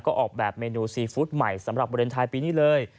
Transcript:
ก็ออกแบบเมนูซีฟู้ดใหม่สำหรับวาเลนไทยปีนี้เลย